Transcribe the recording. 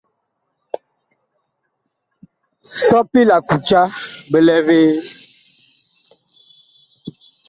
Sɔpi la kuca bi lɛ vee ?